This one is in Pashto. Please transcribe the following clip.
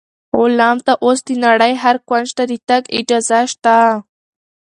غلام ته اوس د نړۍ هر کونج ته د تګ اجازه شته.